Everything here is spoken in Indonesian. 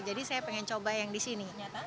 jadi saya pengen coba yang disini